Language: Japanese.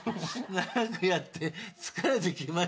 長くやって疲れてきましたね。